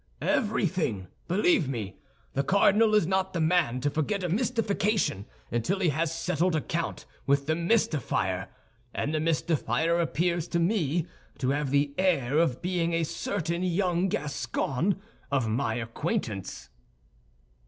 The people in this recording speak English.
"Everything, believe me. The cardinal is not the man to forget a mystification until he has settled account with the mystifier; and the mystifier appears to me to have the air of being a certain young Gascon of my acquaintance."